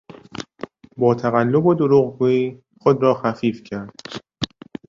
با تقلب و دروغگویی خود را خفیف کرد.